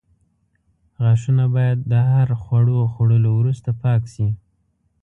غاښونه باید د هر خواړو خوړلو وروسته پاک شي.